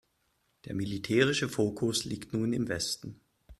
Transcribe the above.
Der militärische Fokus liegt nun im Westen.